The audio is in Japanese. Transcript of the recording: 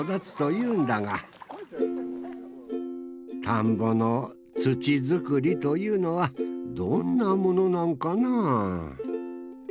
田んぼの土作りというのはどんなものなんかな？